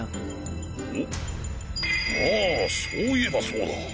そういえばそうだ！